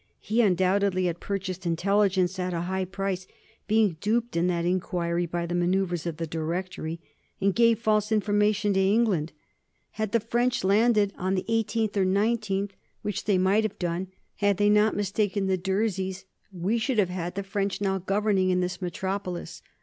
He undoubtedly had purchased intelligence at a high price, being duped in that inquiry by the manoeuvres of the Directory, and gave false information to England. Had the French landed on the 18th or 19th, which they might have done, had they not mistaken the Durseys, we should have had the French now governing in this metropolis.